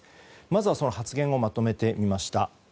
まずはその発言をまとめてみました。